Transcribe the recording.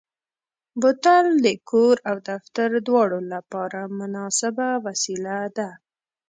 بوتل د کور او دفتر دواړو لپاره مناسبه وسیله ده.